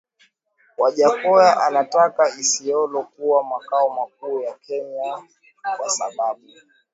Wajackoya anataka Isiolo kuwa makao makuu ya Kenya kwa sababu